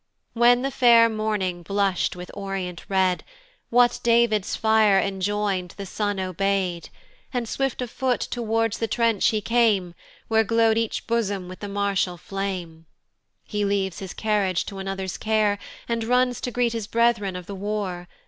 When the fair morning blush'd with orient red, What David's fire enjoin'd the son obey'd, And swift of foot towards the trench he came, Where glow'd each bosom with the martial flame. He leaves his carriage to another's care, And runs to greet his brethren of the war.